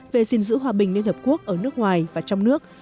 về gìn giữ hòa bình liên hợp quốc ở nước ngoài và trong nước